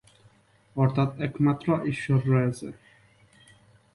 অর্থাৎ একমাত্র ঈশ্বর রয়েছে।